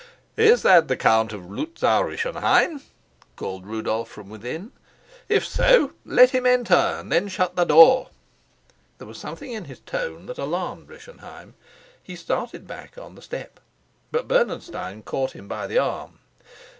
"Is that the Count of Luzau Rischenheim?" called Rudolf from within. "If so, let him enter and then shut the door." There was something in his tone that alarmed Rischenheim. He started back on the step. But Bernenstein caught him by the arm.